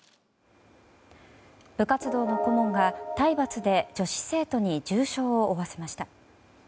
部活動の顧問が、体罰で女子生徒に重傷を負わせました。